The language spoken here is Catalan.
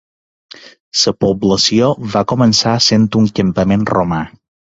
La població va començar sent un campament romà.